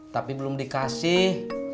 tapi belum dikasih